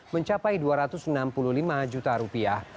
mencapai rp dua ratus enam puluh lima juta